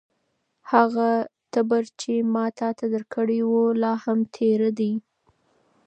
هغه تبر چې ما تاته درکړی و، لا هم تېره دی؟